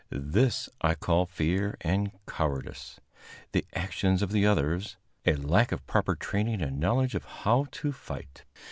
This I call fear and cowardice; the actions of the others, a lack of proper training and knowledge of how to fight.